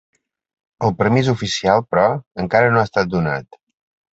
El permís oficial però, encara no ha estat donat.